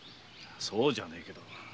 そうじゃねえけど。